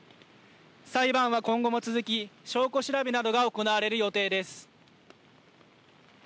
裁判は今後も続き証拠調べなどが行われる予定です。